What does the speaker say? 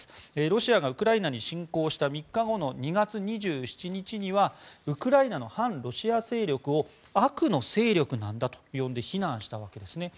ロシアがウクライナに侵攻した３日後の２月２７日にはウクライナの反ロシア勢力を悪の勢力なんだと呼んで非難したわけですね。